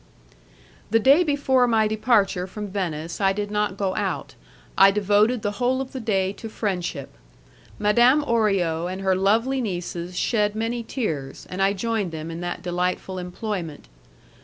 The day before my departure from Venice I did not go out; I devoted the whole of the day to friendship. Madame Orio and her lovely nieces shed many tears, and I joined them in that delightful employment.